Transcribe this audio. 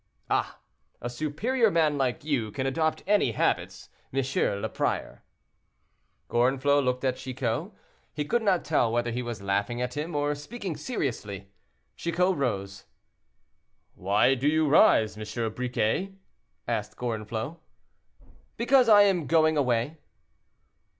"Ah! a superior man like you can adopt any habits, M. le Prior." Gorenflot looked at Chicot; he could not tell whether he was laughing at him or speaking seriously. Chicot rose. "Why do you rise, M. Briquet?" asked Gorenflot. "Because I am going away."